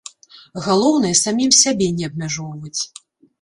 Галоўнае самім сябе не абмяжоўваць.